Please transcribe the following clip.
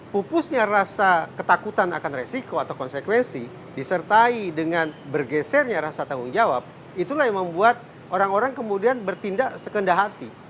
pupusnya rasa ketakutan akan resiko atau konsekuensi disertai dengan bergesernya rasa tanggung jawab itulah yang membuat orang orang kemudian bertindak sekendah hati